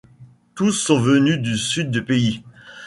Tous sont venues du sud du pays.